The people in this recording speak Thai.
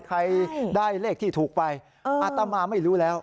ใครได้เลขที่ถูกไปอัตมาไม่รู้แล้ว